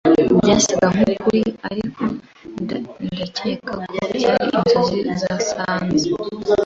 Byasaga nkukuri, ariko ndakeka ko byari inzozi zasaze.